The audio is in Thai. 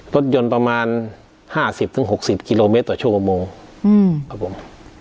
รถยนต์ประมาณห้าสิบถึงหกสิบกิโลเมตรต่อชั่วโมงอืมครับผม